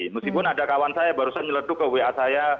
meskipun ada kawan saya baru saja nyeletuk ke wa saya